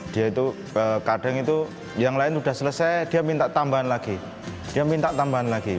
dia itu kadang itu yang lain sudah selesai dia minta tambahan lagi dia minta tambahan lagi